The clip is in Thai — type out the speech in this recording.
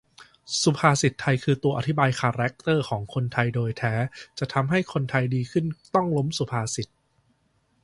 สุภาษิตไทยคือตัวอธิบายคาร์แร็คเตอร์ของคนไทยโดยแท้ จะทำให้คนไทยดีขึ้นต้องล้มสุภาษิต